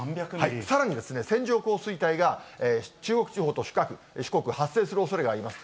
さらに、線状降水帯が中国地方と四国、発生するおそれがあります。